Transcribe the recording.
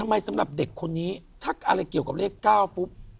สำหรับเด็กคนนี้ถ้าอะไรเกี่ยวกับเลข๙ปุ๊บ